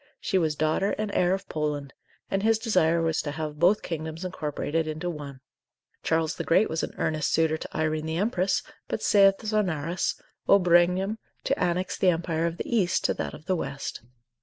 she was daughter and heir of Poland, and his desire was to have both kingdoms incorporated into one. Charles the Great was an earnest suitor to Irene the Empress, but, saith Zonarus, ob regnum, to annex the empire of the East to that of the West.